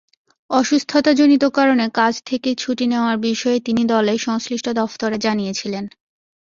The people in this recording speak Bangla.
অসুস্থতাজনিত কারণে কাজ থেকে ছুটি নেওয়ার বিষয়ে তিনি দলের সংশ্লিষ্ট দফতরে জানিয়েছিলেন।